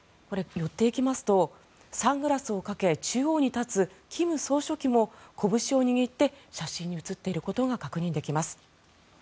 これ、寄っていきますとサングラスをかけ中央に立つ金総書記もこぶしを握って写真に写っていることが確認できます。